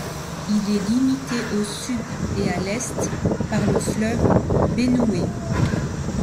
Il est limité au sud et à l'est par le fleuve Bénoué.